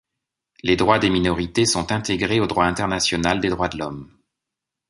Les droits des minorités sont intégrés au droit international des droits de l'homme.